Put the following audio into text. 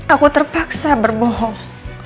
aku terpaksa berbohong